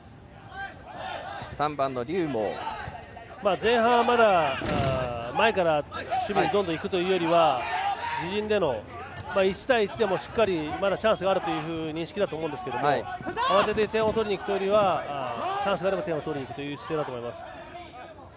前半はまだ前から守備にどんどんいくより自陣での１対１でもしっかりチャンスがあるという認識だと思うんですけど慌てて点を取りにいくよりはチャンスがあれば点を取りにいくという姿勢だと思います。